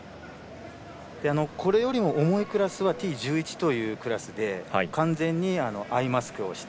これよりも重いクラスはＴ１１というクラスで完全にアイマスクをして。